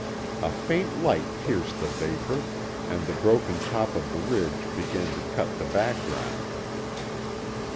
A faint light pierced the vapor, and the broken top of the ridge began to cut the background.